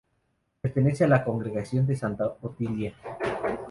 Pertenece a la Congregación de Santa Otilia.